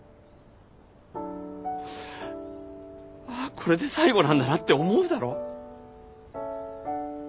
「ああこれで最後なんだな」って思うだろ。